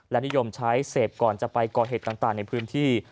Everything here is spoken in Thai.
และนิยมใช้เสพก่อนจะไปก่อเหตุต่างในพื้นที่